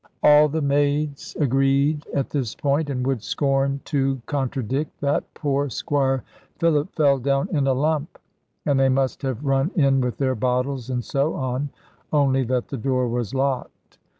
All the maids agreed at this point, and would scorn to contradict, that poor Squire Philip fell down in a lump, and they must have run in with their bottles and so on, only that the door was locked.